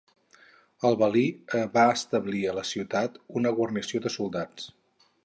El valí va establir a la ciutat una guarnició de soldats.